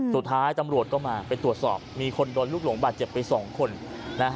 สุดท้ายตำรวจก็มาไปตรวจสอบมีคนโดนลูกหลงบาดเจ็บไปสองคนนะฮะ